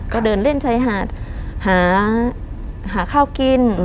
ก็เดินเล่นชายหาดหาข้าวกิน